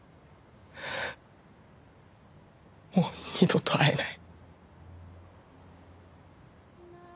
もう二度と会えない。